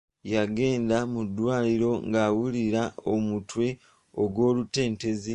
Yagenda mu ddwaliro nga awulira omutwe ogw’olutentezi.